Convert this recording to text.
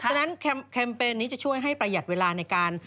ฉะนั้นแคมเปญนี้จะช่วยให้ประหยัดเวลาในการ